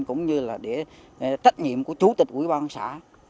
cũng như là để trách nhiệm của chủ tịch quỹ bà nghị xã